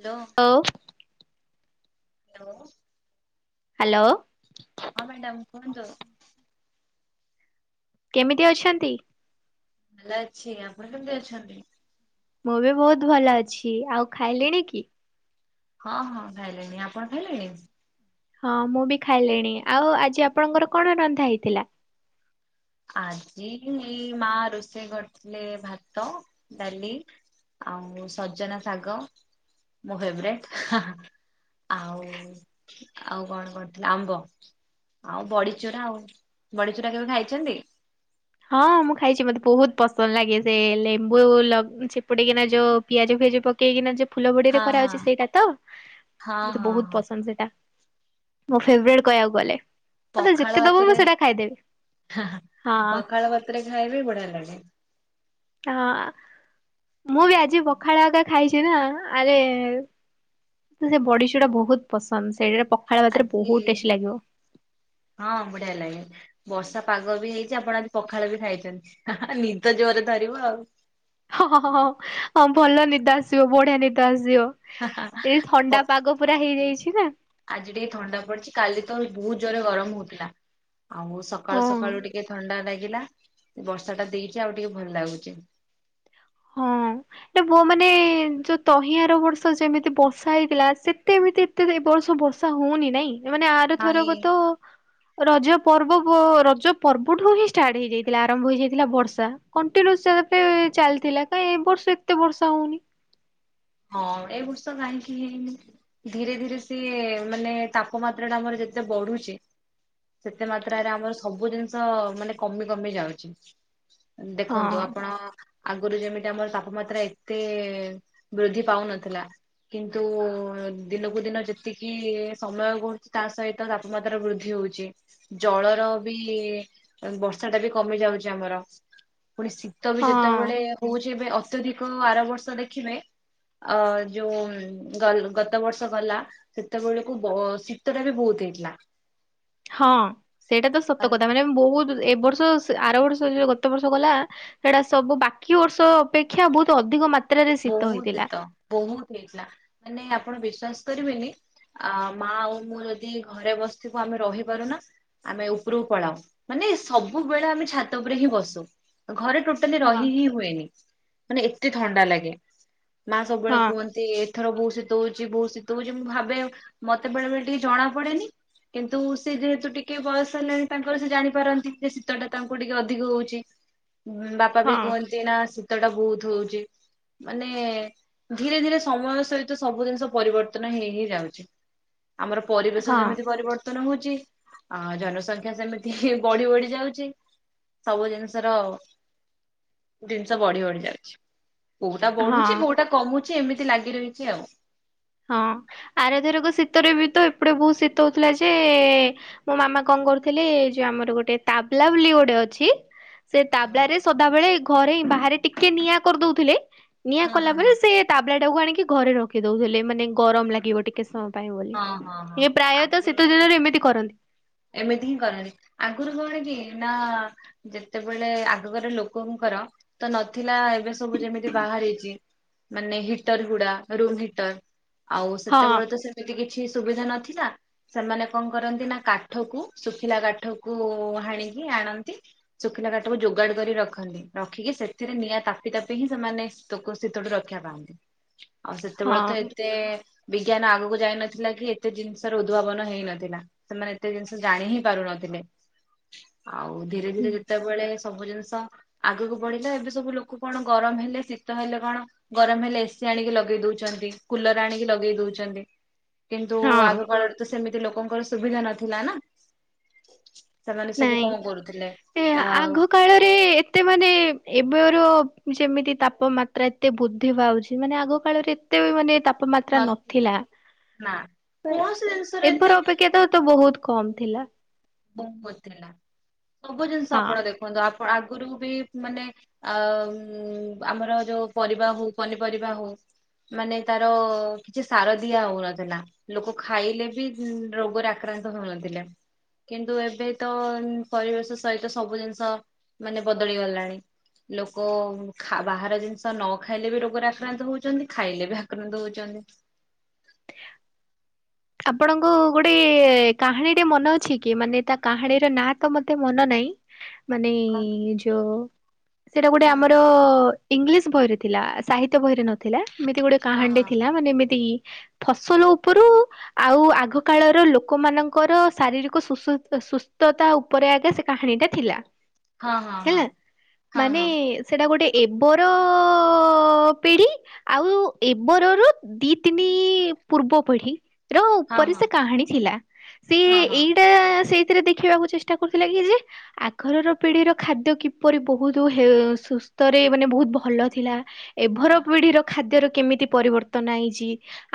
Hello. ଅ ଉ [unintelligible] hello. ହଁ ମ୍ୟାଡ଼ାମ କୁହନ୍ତୁ? କେମିତି ଅଛନ୍ତି? ଭଲ ଅଛି। ଆପଣ କେମିତି ଅଛନ୍ତି? ମୁଁ ବି ବହୁତ ଭଲ ଅଛି। ଆଉ ଖାଇଲେଣି କି? ହଁ ହଁ ଖାଇଲେଣି। ଆପଣ ଖାଇଲେଣି? ହଁ ମୁଁ ବି ଖାଇଲିଣି ଆଉ ଆଜି ଆପଣଙ୍କର କଣ ରନ୍ଧା ହେଇଥିଲା? ଆଜି ମା ରୋଷେଇ କରିଥିଲେ ଭାତ ଡାଲି ଆଉ ସଜନା ଶାଗ। ମୁଁ ଫେବ୍ରେଟ୍ ହଁ ଆଉ ଆଉ କଣ କରିଥିଲେ? ଆମ୍ବ। ଆଉ ବଡ଼ିଚୁରା ଆଉ, ବଡ଼ି ଚୁରା କେବେ ଖାଇଛନ୍ତି? ହଁ ମୁଁ ଖାଇଛି ମତେ ବହୁତ ପସନ୍ଦ ଲାଗେ, ସେ ଲେମ୍ବୁ ଲ ଚିପୂଡ଼ି କିିନା ଯୋଉ ପିଆଜ ଫିଆଜ ପ କେଇକିନା ଯୋଉ ଫୁଲ ବଡ଼ି ହଁ ରେ ହଁ କରାହଉଛି ସେଇଟା ତ ହଁ ମତେ ହଁ ବହୁତ ହଁ ପସନ୍ଦ ସେଇଟା। ମୋ ଫେବରେଟ୍ କହିବାକୁ ଗଲେ ମତେ ପଖାଳ ଯେତେ ଦବୁ ଭାତରେ ମୁଁ ସେଟା ଖାଇଦେବି। ହଁ। ତରେ ଖାଇ ବି ବଢ଼ିଆ ଲାଗେ। ହଁ ମୁଁ ବି ଆଉ ଆଜି ପଖାଳ ଭାତ ଖାଇଛି ନା ଆରେ ସେ ବଡ଼ି ଚୁଡ଼ା ବହୁତ ପସନ୍ଦ ସେଇଟା ପ ଆଜି ହଁ ବଢ଼ିଆ ଲାଗେ। ବର୍ଷା ପାଗ ବି ହେଇଛି, ଆପଣ ଆଜି ପଖାଳ ବି ଖାଇଛନ୍ତି, ହଁ ହଁ ନିଦ ଜୋରରେ ଧରିବ ଆଉ। ହଁ ହଁ ହଁ ହଁ ହଁ ଭଲ ନିଦ ଆସିବ ବଢ଼ିଆ ନିଦ ଆସିବ। ଏ ଥଣ୍ଡା ପଖା ପାଗ ପୁରା ହେଇଯାଇଛି ନା। ଆଜି ଟିକେ ଥଣ୍ଡା ପଡ଼ିଛି କାଲି ତ ବହୁତ ଜୋରେ ଗରମ ହୋଉଥିଲା, ଆଉ ସକାଳୁ ହଁ ସକାଳୁ ଟି କେ ଥଣ୍ଡା ଲାଗିଲା, ବର୍ଷା ଟା ଦେଇଚି ଆଉ ଟିକେ ଭଲ ଲାଗୁଚି। ହଁ। ନା ମୋ ମାନେ ଯୋଉ ତହିଆର ବର୍ଷ ଯେମିତି ବର୍ଷା ହେଇଥିଲା। ସେତେ ଏମିତି ଏତେ ଏ ବର୍ଷ ବର୍ଷା ହଉନି ନାଇଁ, ମାନେ ନାଇଁ ଆରଥରକ ତ ରଜ ପର୍ବ ବୋ ରଜ ପର୍ବ ଠୁ ହିଁ ଷ୍ଟାର୍ଟ ହେଇଯାଇଥିଲା ଆରମ୍ଭ ହେଇଯାଇଥିଲା ବର୍ଷା। କଣ୍ଟିନ୍ୟୁସ୍ ସେମତି ଚାଲିଥିଲା କାଇଁ ଏ ବର୍ଷ ଏତେ ବର୍ଷା ହଉନି। ହଁ ଏଇ ବର୍ଷ କାହିଁକି ହେଇନି? ଧୀରେ ଧୀରେ ସିଏ ମାନେ ତାପମାତ୍ରା ଟା ଆମର ଯେତେ ବଢ଼ୁଛି ସେତେ ମାତ୍ରାରେ ଆମର ସବୁ ଜିନିଷ ମାନେ କମି କମି ଯାଉଚି। ହଁ ଦେଖନ୍ତୁ ଆପଣ ଆଗରୁ ଯେମିତି ଆମର ତାପମାତ୍ରା ଏତେ ଏ ବୃଦ୍ଧି ପାଉନଥିଲା କିନ୍ତୁ ଦିନକୁ ଦିନ ଯେତିକି ସମୟ ଗଡ଼ୁଚି ତା ସହିତ ତ ତାପମାତ୍ରା ବୃଦ୍ଧି ହଉଚି। ଜଳର ବି ବର୍ଷା ଟା ବି କମି ଯାଉଛି ଆମର ପୁଣି ଶୀ ତ ବି ହଁ। ଯେତେବେଳେ ହଉଛି ଏବେ ଅତ୍ୟଧିକ ଆର ବର୍ଷ ଦେଖିବେ ଅ ଯୋଉ ଗଲ ଗତ ବର୍ଷ ଗଲା ସେତେବେଳକୁ ବ ଶୀତ ଟା ବି ବହୁତ ହେଇଥିଲା। ହଁ ସେଇଟା ତ ସତ କଥା ମାନେ ବୋହୁତ ଏ ବର୍ଷ ସେ ଆର ବର୍ଷ ଯୋଉ ଗତ ବର୍ଷ ଗଲା ସେଇଟା ସବୁ ବାକି ବର୍ଷ ଅପେକ୍ଷା ବହୁତ ଅଧିକ ମା ବୋହୁତ ଶୀତ ବୋହୁତ ହେଇଥିଲା ମାନେ ଆପଣ ବିଶ୍ଵାସ କରିବେନି ଆ ମା ଆଉ ମୁଁ ଯଦି ଘରେ ବସିଥିବୁ ଆମେ ରହିପାରୁନା ଆମେ ଉପୁରୁକୁ ପଳାଉ ମାନେ ସବୁବେଳେ ଆମେ ଛାତ ଉପରେ ହିଁ ବସୁ ଘରେ ଟୋଟା ଲି ହଁ। ରହି ହିଁ ହୁଏନି ମାନେ ଏତେ ଥଣ୍ଡା ଲାଗେ ମା ହଁ ସବୁବେଳେ କୁହନ୍ତି। ସେ ଏଥର ବୋହୁତ୍ ଶୀତ ହଉଛି ବୋହୁତ୍ ଶୀତ ହଉଛି ମୁଁ ଭାବେ ମତେ ବେଳେ ବେଳେ ଟିକେ ଜଣା ପଡେନି। କିନ୍ତୁ ସେ ଯେହେତୁ ଟିକେ ବୟସ ହେଲାଣି ତାଙ୍କର ସେ ଜାଣିପାରନ୍ତି ଯେ ଶୀତ ଟା ତାଙ୍କୁ ଟିକେ ଅଧିକ ହଉଛି। ବାପା ହଁ ବି କୁହନ୍ତି ନା ଶୀତ ଟା ବୋହୁତ ହଉଛି। ମାନେ ଧୀରେ ଧୀରେ ସମୟ ସହିତ ସବୁ ଜିନିଷ ପରିବର୍ତ୍ତନ ହେଇ ହେଇ ଯାଉଛି। ଆମର ପରିବେଶ ହଁ ଯେମିତି ପରିବର୍ତ୍ତ ନୂତନ ହଉଛି ଆ ଜନସଂଖ୍ୟା ସେମିତି ହିଃ ବଢି ବଢି ଯାଉଛି। ସବୁ ଜିନିଷ ର ଜିନଷ ବଢି ବଢି ଯାଉଛି। କୋଉଟା ବଢୁଛି ହଁ। କୋଉଟା କମୁଛି ଏମିତି ଲାଗି ରହିଚି ଆଉ। ହଁ ଆରେଥରକ ଶୀତରେ ବି ତ ଏପଟେ ବହୁତ ଶୀତ ହଉଥିଲା ଯେଏ ମୋ ମାମା କଣ କରୁଥିଲେ ଏଇ ଯୋଉ ଆମର ଗୋଟେ ତାବଲାବୋଲି ଗୋଟେ ଅଛି। ସେ ତାବଲାରେ ସଦାବେଳେ ଘରେ ବାହାରେ ଟିକେ ନିଆଁ କରିଦଉଥିଲେ ନିଆଁ ହଁ ହଁ କଲା ହଁ ବଳେ ହଁ ସେ ତାବଲା ଟାକୁ ଆଣିକି ଘରେ ରଖି ଦଉହେଲେ ମାନେ ଗରମ ଲାଗିବ ଟିକେ ସମ। ପାଏ ବୋଲି ହଁ ହଁ ହଁ ୟେ ପ୍ରାୟତଃ ଆଗରୁ ଶୀତ ଦିନରେ ଏମିତି କରନ୍ତି। ଏମିତି ହିଁ କରନ୍ତି ଆଗୁରୁ କଣ କି ନା ଯେତେବେଳେ ଆଗକରେ ଲୋକଙ୍କର ତ ନଥିଲା ଏବେ ସବୁ ଯେମିତି ବାହାରିଛି। ମାନେ ହିଟର୍ ଗୁଡା ରୁମ୍ ହିଟର୍ ଆଉ ହଁ ସେତେବେଳେ ତ ସେମିତି କିଛି ସୁବିଧା ନଥିଲା ସେମାନେ କଣ କରନ୍ତି ନା କା ଠ କୁ ଶୁଖିଲା କାଠ କୁ ହାଣିକି ଆଣନ୍ତି। ଶୁଖିଲା କାଠକୁ ଯୋଗାଡ କରି ରଖନ୍ତି ରଖିକି ସେଥିରେ ନିଆଁ ତାପି ତାପି ହିଁ ସେମାନେ ଶୀତକୁ ଶୀତଠୁ ରକ୍ଷା ପାନ୍ତି ଆଉ ସେତେବେଳେ ତ ହଁ ଏତେ ବିଜ୍ଞାନ ଆଗକୁ ଯାଇନଥିଲା କି ଏତେ ଜିନିଷର ଉଦ୍ଭାବନ ହେଇନଥିଲା ସେମାନେ ଏତେ ଜିନିଷ ଜାଣି ହିଁ ପାରୁନଥିଲେ ଆଉ ଧୀରେ ଧୀରେ ଯେତେବେଳେ ସବୁ ଜିନିଷ ଆଗକୁ ବଢିଲେ ଏବେ ସବୁ ଲୋକ କଣ ଗରମ ହେଲେ ଶୀତ ହେଲେ କଣ? ଗରମ ହେଲେ ଏସିି ଆଣିକି ଲଗେଇ ଦଉଚନ୍ତି, କୁଲର୍ ଆଣିକି ଲଗେଇ ଦଉଚନ୍ତି। କିନ୍ତୁ ହଁ। ଆଗ କାଳରେ ତ ସେମିତି ଲୋକଙ୍କର ସୁବିଧା ନଥିଲା ନା। ସେମାନେ ସବୁ କଣ କରୁଥିଲେ? ଆଉ କଳରେ ଏତେ ମାନେ ଏବେର ଯେମିତି ତାପମାତ୍ରା ଏତେ ବୁଦ୍ଧି ପାଉଛି ମାନେ ଆଗ କାଳରେ ତୁ ମାନେ ତାପ ପ ମାତ୍ରା ନ ନଥିଲା ନା କୌଣସି ଜିନିଷରେ ଏବେ ଏତେ ର ଅପେକ୍ଷା ତ ତ ବହୁତ କମ୍ ଥିଲା। ବହୁତ୍ ଥିଲା ସବୁ ଜିନିଷ ହଁ। ଆପଣ ଦେଖନ୍ତୁ ଆଗରୁ ବି ମାନେ ଆଉ ଆମର ଯୋଉ ପରିବା ହଉ ପନିପରିବା ହଉ। ମାନେ ତାର କିଛି ସାର ଦିଆ ହଉନଥିଲା। ଲୋକ ଖାଇଲେ ବି ରୋଗରେ ଆକ୍ରାନ୍ତ ହଉନଥିଲେ। କିନ୍ତୁ ଏବେ ତ ପରିବେଶ ସହିତ ସବୁ ଜିନିଷ ମାନେ ବଦଳି ଗଲାଣି। ଲୋକ ଖା-ବାହାର ଜିନିଷ ନ ଖାଇଲେ ବି ରୋଗରେ ଆକ୍ରାନ୍ତ ହଉଛନ୍ତି ଖାଇଲେ ବି ଆକ୍ରାନ୍ତ ହଉଛନ୍ତି। [inaudible] ଆପଣଙ୍କୁ ଗୋଟେ କାହାଣୀଟେ ମନେ ଅଛି କି ମାନେ ତା କାହାଣୀର ନାଁ ତ ମୋତେ ମନ ନାହିଁ। ମାନେ କଣ ଯୋଉ ସେଟା ଗୋଟେ ଆମର ହୁଁ ଇଂଲିଶ ବହିରେ ଥିଲା ସାହିତ୍ୟ ବହିରେ ନଥିଲା ଏମିତି ଗୋଟେ କାହାଣୀଟେ ଥିଲା। ମାନେ ଏମିତି ଫସଲ ଉପରୁ ଆଉ ଆଗକାଳର ଲୋକମାନଙ୍କର ଶାରୀରିକ ସୁ ସୁ ସୁସ୍ଥତା ଉ ଉପରେ ଆଗେ ସେ କାହାଣୀଟା ଥିଲା ହଁ ହଁ ହେଲା ହଁ ମାନେ ହଁ ସେଇଟା ଗୋଟେ ଏବର ପିଢ଼ି ଆଉ ଏବରର ଦି ତିନି ପୂର୍ବ ପିଢି। ର ହଁ ଉପରେ ହଁ ସେ କାହାଣୀ ଥିଲା ସେ ହଁ ହଁ ହଁ ହଁ ହଁ ଏଇ ଟା ସେଇଥିରେ ଦେଖିବାକୁ ଚେଷ୍ଟା କରୁଥିଲା କି ଯେ ଆଗରର ପିଢିର ଖାଦ୍ୟ କିପରି ବହୁତ ହେଲ ସୁସ୍ଥରେ ମାନେ ବହୁତ ଭଲ ଥିଲା। ଏଭର ପିଢିର ଖାଦ୍ୟର କେମିତି ପରିବର୍ତ୍ତନ ହେଇଛି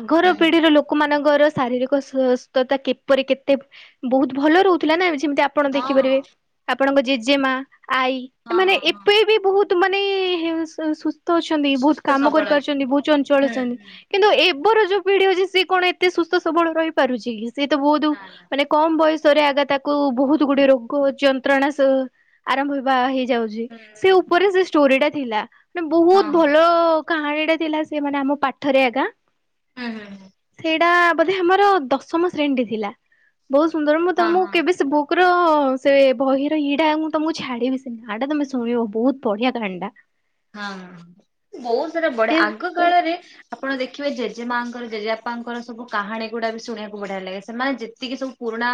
ଆଗର ହଁ ହଁ ପିଢିର ଲୋକମାନଙ୍କର ଙ୍କର ଶାରୀରିକ ସୁଅ ସୁସ୍ଥତା କିପରି କେତେ ବହୁତ ଭଲ ରହୁଥିଲା ନା ଯେମତି ଆପଣ ହଁ ଦେଖିପାରିବେ ହଁ ଆପଣଙ୍କ ଜେଜେମା ଆଈ ହଁ ଏମାନେ ହଁ ହଁ ଏବେ ବି ବହୁତ ମାନେ ସୁସ୍ଥ ଅଛନ୍ତି ବହୁତ ସୁସ୍ଥ କାମ ସବଳ କରିପାରୁଛନ୍ତି ଅଛନ୍ତି ବହୁତ ଚଞ୍ଚଳ ହୁଁ ଅଛନ୍ତି। ହୁଁ କିନ୍ତୁ ଏବେର ଯୋଉ ପିଢି ଅଛି ସିଏ କଣ ଏତେ ସୁସ୍ଥ ସବଳ ରହିପାରୁଛି କି ସିଏ ତ ବହୁତ ନା ନା ମାନେ କମ ବୟସରେ ଆଗା ତାକୁ ବହୁତ ଗୁଡିଏ ରୋଗ ଯନ୍ତ୍ରଣା ସବୁ ଆରମ୍ଭ ହେବା ହେଇଯାଉଛି। ହୁଁ ସେ ହୁଁ ହୁଁ ଉପରେ ସେ ଷ୍ଟୋରିଟା ଥିଲା ମାନେ ହଁ ବହୁତ ଭଲ କାହାଣୀ ଟା ଥିଲା ସେ ମେ ଆମ ପାଠରେ ଆଗା ହୁଁ। ସେଇଟା ବୋଧେ ଆମର ଦଶମ ଶ୍ରେଣୀରେ ଥିଲା ବହୁତ ସୁନ୍ଦର ମୁଁ ହଁ ତମକୁ ହଁ କେବେ ସେ ବୁକ୍ କ୍ ର। ହ ସେ ବହିର ଇଏଟା ମୁଁ ତମକୁ ଛାଡିବି ସେ ନାଟା ତମେ ଶୁଣିବ ବହୁତ ବଢିଆ କାହାଣିଟା। ହଁ ବହୁତ ସାରା ବଢିଆ ସେ ଆଗ କାଳରେ ଆପଣ ଦେଖିବେ ଜେଜେମାଙ୍କର ଜେଜେପାଙ୍କର ସବୁ କାହାୀ ଗୁଡା ବି ଶୁଣିବାକୁ ବଢିଆ ଲାଗେ ସେମାନେ ଯେତିକି ସବୁ ପୁରୁଣା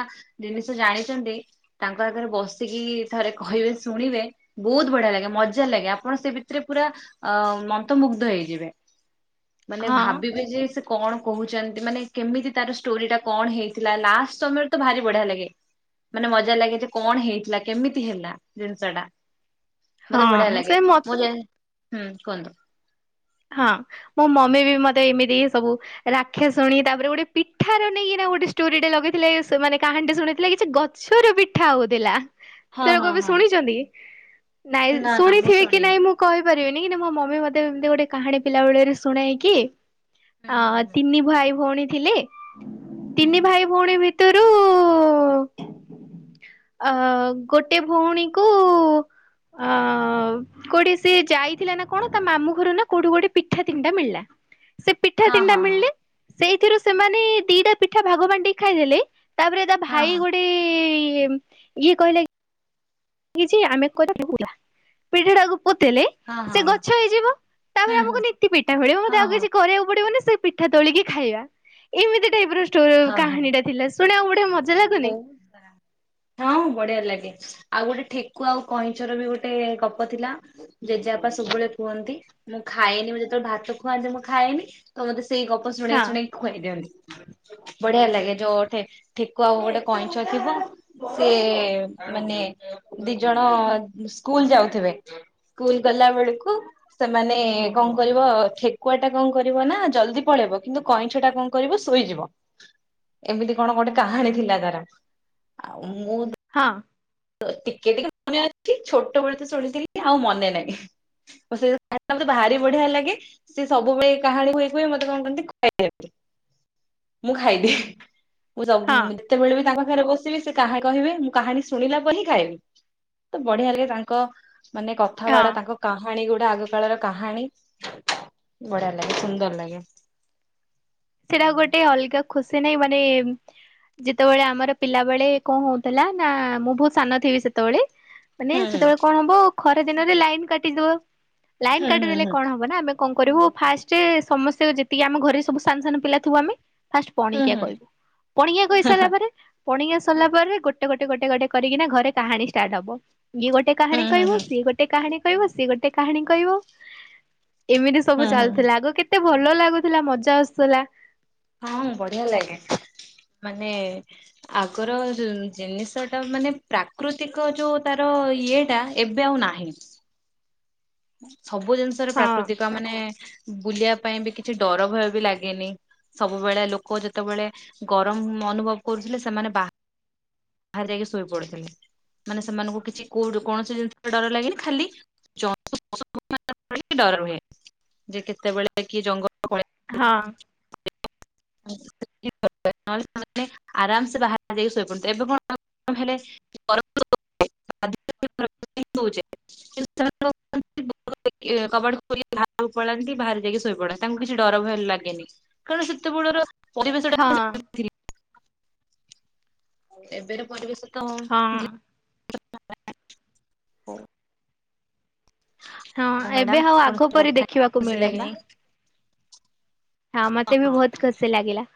ଜିନିଷ ଜାଣିଛନ୍ତି। ତାଙ୍କ ଆଗରେ ବସିକି ଥରେ କହିବେ ଶୁଣିବେ ବହୁତ ବଢିଆ ଲାଗେ ମଜା ଲାଗେ ଆପଣ ସେ ସେଥିରେ ପୁରା ଅ ମନ୍ତମୂଗ୍ଧ ହେଇଯିବେ ମାନେ ହଁ ଭାବିବେ ଯେ କଣ କହୁଛନ୍ତି ମାନେ କେମିତି ତାର ଷ୍ଟୋରି ଟା କଣ ହେଇଥିଲା ଲାଷ୍ଟ ସମୟରେ ତ ଭାରି ବଢିଆ ଲାଗେ। ମାନେ ମଜା ଲାଗେ ଯେ କଣ ହେଇଥିଲା କେମିତି ହେଲା ଜିନିଷଟା? ମତେ ବଢିଆ ହଁ ସେ ଲାଗେ ମ ମୁଁ ଜାଣି ହୁଁ କୁହନ୍ତୁ? ହଁ ମୋ ମମି ବି ମତେ ଏମିତି ସବୁ ରାକ୍ଷାଶୁଣି ତାପରେ ଗୋଟେ ପିଠାର ନେଇକିନା ଗୋଟେ ଷ୍ଟୋରିଟେ ଲଗେଇଥି ସେମାନେ କାହାଣୀ ଟେ ଶୁଣିଥିଲେ କିଛି ଗ ଚୋର ପିଠା ହଉଥିଲା। ହଁ ହଁ ସେଉରାକ ଏବେ ହଁ। ଶୁଣିଛନ୍ତି କି ନାଇଁ ନା ନା ମୁଁ ଶୁଣିଥିବେ କି ଶୁଣିନି ନାଇଁ ମୁଁ କହିପାରିବିନି କିନ୍ତ ମୋ ମମି ମତେ ଏମିତି ଗୋଟେ କାହାଣି ପିଲା ବେଳରୁ ଶୁଣେଇକି ହୁଁ ହୁଁ ଅ ହୁଁ। ତିନି ଭାଇ ଭଉଣୀ ଥିଲେ ତିନି ହୁଁ ଭାଇ ଭଉଣୀ ଭିତରୁ ଅ ଗୋଟେ ଭଉଣୀ କୁ ଆ ଉ କୋଉଠି ସିଏ ଯାଇଥିଲା ନା କଣ ତା ମାମୁଁ ଘର ନା କୋଉଠୁ ଗୋଟେ ପିଠା ତିନିଟା ମିଳିଲା ସେ ପିଠା ତିନିଟା ହଁ ମିଳିଲେ ସେଇଥିରୁ ସେମାନେ ଦିଟା ପିଠା ଭାଗ ବାଣ୍ଟିକି ଖାଇଦେଲେ। ତାପରେ ତା ହଁ ଭାଇ ହଁ ଗୋଟେ ଇଏ କହିଲା କିଛି ଆମେ [unintelligible] ପିଢିଟାକୁ ପୋତିଦେଲେ। ହଁ ସେ ହଁ ଗଛ ହେଇଯିବ ହଁ ତାପରେ ହଁ ହଁ ହଁ ଆମକୁ ନୀତି ପିଠା ମିଳିବ ମତେ ହଁ ଆଉ କିଛି କରିବାକୁ ପଡିବନି ସେଇ ପି ମିଠା ତୋଳିକି ଖାଇବା ଏମିତି ଟାଇପ ର ଷ୍ଟୋରି ହଁ ହଁ ହଁ କାହାଣୀ ଟା ଥିଲା ଶୁଣିବାକୁ ବଢିଆ ମଜା ଲାଗୁନି। ବହୁତ ସାରା ହଁ ବଢିଆ ଲାଗେ ଆଉ ଗୋଟେ ଠେକୁଆ ଆଉ କଇଁଚର ବି ଗୋଟେ ଗପ ଥିଲା ଜେଜେବାପା ସବୁବେଳେ କୁହନ୍ତି ମୁଁ ଖାଏନି ମୁଁ ଯେତେବେଳେ ଭାତ ଖୁଆନ୍ତି ମୁଁ ଖାଏନି। ତ ମତେ ସେଇ ଗପ ଶୁଣେଇ ହଁ ଶୁଣେଇ ଖୁଆଇ ଦିଅନ୍ତି। ବଢିଆ ଲାଗେ ଯୋଉ ଠେ କୁ ଆଉ ଗୋଟେ କଇଁଛ ଥିବ ସେ ମାନେ ଦି ଜଣ ସ୍କୁଲ ଯାଉଥିବେ ସ୍କୁଲ ଗଲା ବେଳକୁ ସେମାନେ କଣ କରିବ ଠେକୁଆ ଟା କଣ କରିବ ନା ଜଲଦି ପଳେଇବ କିନ୍ତୁ କଇଁଛ ଟା କଣ କରିବ ଶୋଇଯିବ। ଁ ଏମିତି କଣ ଗୋଟେ କାହାଣୀ ଥିଲା ତାର ଆଉ ମୁଁ ହଁ। ତ ଟିକେ ଟିକେ ମନେ ଅଛି ଛୋଟବେଳ ତ ଶୁଣିଥିଲି ଆଉ ମନେ ନାହିଁ। ଓ ସେ [unintelligible] ଖାଇତେ ଭରି ବଢିଆ ଲାଗେ। ସିଏ ସବୁବେଳେ କାହାଣୀ କୁହେ କୁହେ ମତେ କଣ କରନ୍ତି ଖୁଆଇବାକୁ। ମୁଁ ଖାଇଦିଏ ମୁଁ ସବ ହଁ ଯେତେବେଳେ ବି ତାଙ୍କ ସାଙ୍ଗରେ ବସିବି ସେ କାହା କହିବେ ମୁଁ କାହାଣୀ ଶୁ ଶୁଣିଲା ପରେ ହିଁ ଖାଇବି ତ ବଢିଆ ଲାଗେ ତାଙ୍କ ମାନେ ହଁ। କଥାବାଡା ତାଙ୍କ କାହାଣୀ ଗୁଡା ଆଗ କାଳର କାହାଣୀ ବଢିଆ ଲାଗେ ସୁନ୍ଦର ଲାଗେ। ସେଇଟା ଗୋଟେ ଅଲଗା ଖୁସି ନାଇଁ ମାନେ ଯେତେବେଳେ ଆମର ପିଲାବେଳେ କଁ ହଉଥିଲା ନା ମୁଁ ବହୁତ ସାନ ଥିବି ସେତେବେଳେ। ମାନେ ହୁଁ ସେତେବେଳେ ହୁଁ କଣ ହବ ଖରା ଦିନରେ ଲାଇନ କାଟିଦବ। ଲାଇନ ହୁଁ କାଟିଦେଲେ କଣ ହବ ନା ଆମେ କଣ କରିବୁ ଫାଷ୍ଟ ସମସ୍ତେ ଯେତିକି ଆମ ଘରେ ସବୁ ସି ସାନ ସାନ ପିଲା ଥିବୁ ଆମେ ଫାଷ୍ଟ ହୁଁ ପଣିକିଆ ହୁଁ କହିବୁ ପଣିକିଆ କହିସାରିଲା ପରେ। ପଣିିକିଆ ସରିଲା ପରେ ଗୋଟେ ଗୋଟେ ଗୋଟେ ଗୋଟେ କରିକିନା ଘରେ କାହାଣୀ ଷ୍ଟାର୍ଟ ହବ। ଇଏ ଗୋଟେ ହୁଁ ହୁଁ କାହାଣୀ ହୁଁ କହିବ ହୁଁ ହୁଁ ସିଏ ଗୋଟେ କାହାଣୀ କହିବ ସିଏ ଗୋଟେ କାହାଣୀ କହିବ। ଏମିତି ସବୁ ହୁଁ ହୁଁ ଚାଲୁଥିଲା ଆଗ କେତେ ଭଲ ଲାଗୁଥିଲା ମଜା ଆସୁଥିଲା। ହଁ ବଢିଆ ଲାଗେ ମାନେ ଆଗର ଜିନିଷ ଟା ମାନେ ପ୍ରାକୃତିକ ଯୋଉ ତାର ଇଏ ଟା। ଏବେ ଆଉ ନାହିଁ। ସବୁ ଜିନିଷରେ ହଁ ପ୍ରାକୃତିକ ମାନେ ବୁଲିବା ପାଇଁ ବି କିଛି ଡର ଭୟ ବି ଲାଗେନି। ସବୁବେଳେ ଲୋକ ଯେତେବେଳେ ଗରମ ଅନୁଭବ କରୁଥିଲେ ସେମାନେ ବା ବାହାରେ ଯାଇକି ଶୋଇ ପଡୁଥିଲେ ମାନେ ସେମାନଙ୍କୁ କିଛି କୋଉଠି କୌଣସି ଜିନିଷରେ ଡର ଲାଗେନି ଖାଲି [unintelligible] ଡର ହୁହେ ଯେ କେତେବେଳେ କି ଜଙ୍ଗ ହଁ। [unintelligible] ନହେଲେ ସେମାନେ ଆରାମସ ବାହାରାରେ ଯାଇକି ଶୋଇପଡୁଥିଲେ ଏବେ କଣ କଣ ହେଲେ [unintelligible] କିନ୍ତୁ ସେମାନେ କଣ କରନ୍ତି [unintelligible] କବାଟକୁ ଖୋଲି ବାହାରକୁ ପଳାନ୍ତି ବାହାରେ ଯାଇକି ଶୋଇ ପଡନ୍ତି ତାଙ୍କୁ କିଛି ଡର ଭୟ ଲାଗେନି। କାଳେ ସେ ସେତବେଳର ପରିବେଶଟା ହଁ ସେମିତି ଥିଲା। ଏବେର ପରିବେଶ ତ ହଁ ଧି [unintelligible] ହଁ, ମ୍ୟାଡାମ ଏବେ ଆଉ ଆପଣଙ୍କ ଆଘ ସହିତ ପରି କଥା ହେଇକି ଦେଖିବାକୁ ଖୁସି ଲାଗିଲା। ମିଳୁନି। ହଁ, ମତେ ବି ବହୁତ ଖୁସି ଲାଗିଲା।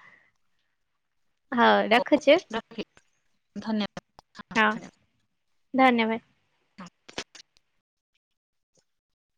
ହଉ, ରଖୁଚୁ। ଧନ୍ୟବାଦ ହଁ, ଧନ୍ୟବାଦ। ହଁ।